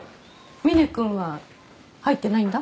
みね君は入ってないんだ？